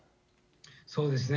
そうですね。